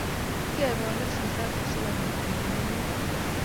Ngebe ole sisaat asikopit keam lokoy.